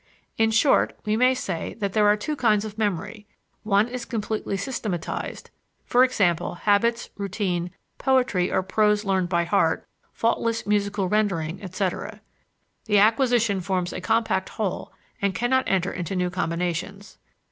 In short, we may say that there are two kinds of memory: one is completely systematized, e.g., habits, routine, poetry or prose learned by heart, faultless musical rendering, etc. The acquisition forms a compact whole and cannot enter into new combinations.